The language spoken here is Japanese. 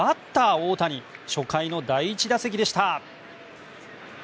大谷初回の第１打席でした。